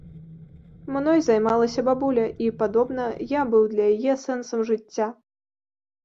Мной займалася бабуля, і, падобна, я быў для яе сэнсам жыцця.